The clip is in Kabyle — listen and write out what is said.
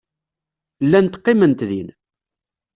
Llant qqiment din.